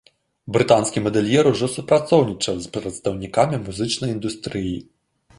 Брытанскі мадэльер ўжо супрацоўнічаў з прадстаўнікамі музычнай індустрыі.